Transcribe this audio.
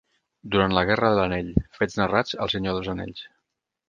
Durant la Guerra de l'Anell, fets narrats a El Senyor dels Anells.